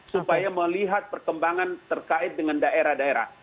supaya melihat perkembangan terkait dengan daerah daerah